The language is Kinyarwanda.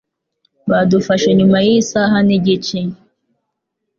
Badufashe nyuma yisaha nigice.